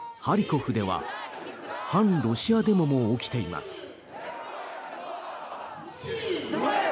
ハリコフでは反ロシアデモも起きています。